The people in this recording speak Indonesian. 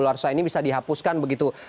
masyarakat dolar bisa dihapuskan begitu